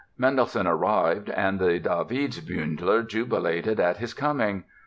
Mendelssohn arrived and the Davidsbündler jubilated at his coming.